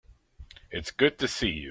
It's good to see you.